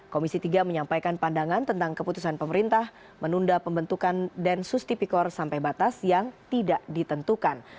komisi tiga menyampaikan pandangan tentang keputusan pemerintah menunda pembentukan densus tipikor sampai batas yang tidak ditentukan